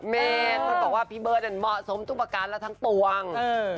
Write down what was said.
มันบอกว่าพี่เบิร์ดเหมาะสมทุกประการแล้วทั้งตรวง